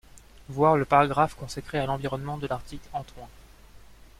Voir le paragraphe consacré à l'environnement de l'article Antoing.